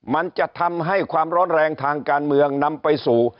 มันจะทำให้ความร้อนแรงทางการเมืองนำไปสู่